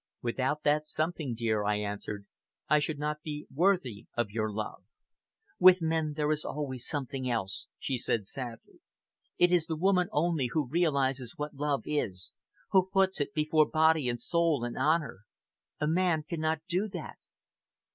"Without that something, dear," I answered, "I should not be worthy of your love." "With men, there is always something else," she said sadly. "It is the woman only who realizes what love is, who puts it before body and soul and honor. A man cannot do that."